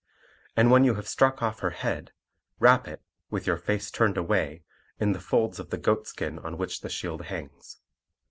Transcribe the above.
And when you have struck off her head, wrap it, with your face turned away, in the folds of the goatskin on which the shield hangs.